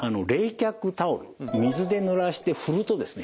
水で濡らして振るとですね